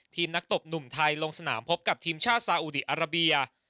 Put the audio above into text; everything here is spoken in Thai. ทีมนักตบหนุ่มไทยลงสนามพบกับทีมชาติสาอุดีอาราเบีย